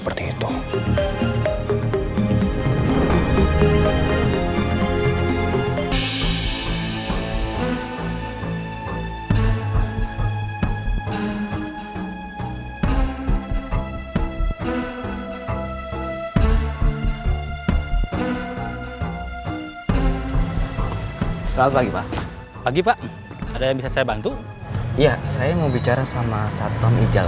selamat pagi pak pagi pak ada yang bisa saya bantu ya saya mau bicara sama satom hijau